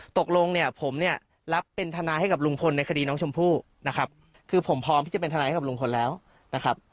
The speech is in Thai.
ตกลงเนี่ยผมเนี่ยรับเป็นทนายให้กับลุงพลในคดีน้องชมพู่นะครับคือผมพร้อมที่จะเป็นทนายให้กับลุงพลแล้วนะครับ